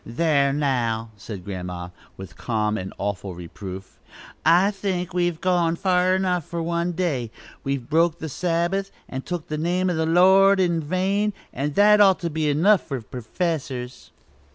"Thar' now," said Grandma, with calm though awful reproof; "I think we've gone fur enough for one day; we've broke the Sabbath, and took the name of the Lord in vain, and that ought to be enough for perfessors."